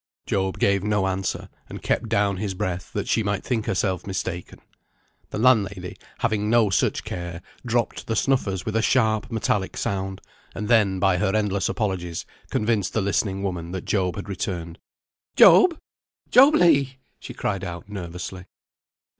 Job gave no answer, and kept down his breath, that she might think herself mistaken. The landlady, having no such care, dropped the snuffers with a sharp metallic sound, and then, by her endless apologies, convinced the listening woman that Job had returned. "Job! Job Legh!" she cried out, nervously.